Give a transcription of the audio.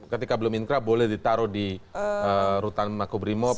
ketika belum inkra boleh ditaruh di rutan makubrimob